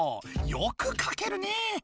よく書けるね！